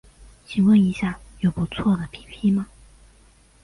请问一下有不错的 ㄟＰＰ 吗